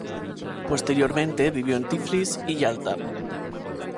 Posteriormente vivió en Tiflis y Yalta.